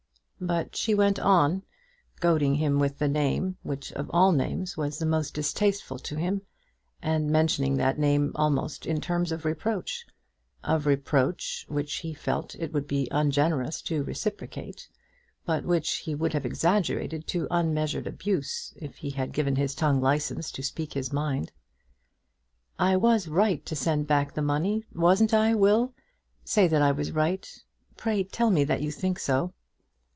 But she went on, goading him with the name, which of all names was the most distasteful to him; and mentioning that name almost in terms of reproach, of reproach which he felt it would be ungenerous to reciprocate, but which he would have exaggerated to unmeasured abuse if he had given his tongue licence to speak his mind. "I was right to send back the money; wasn't I, Will? Say that I was right. Pray tell me that you think so!"